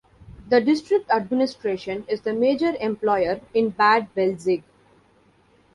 The district administration is the major employer in Bad Belzig.